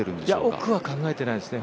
奥は考えてないですね。